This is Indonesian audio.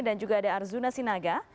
dan juga ada arzuna sinaga